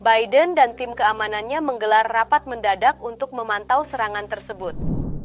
biden dan tim keamanannya menggelar rapat mendadak untuk memantau serangan tersebut